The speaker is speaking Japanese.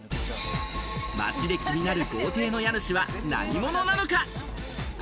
街で気になる豪邸の家主は何者なのか。